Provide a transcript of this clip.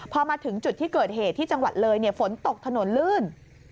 พอมาถึงจุดที่เกิดเหตุที่จังหวัดเลยฝนตกถนนลื่น